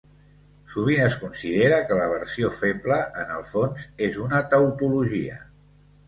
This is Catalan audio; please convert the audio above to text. Sovint es considera que la versió feble en el fons és una tautologia.